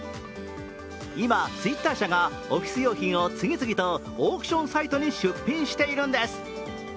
今Ｔｗｉｔｔｅｒ社がオフィス用品を次々とオークションサイトに出品しているんです。